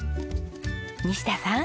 西田さん。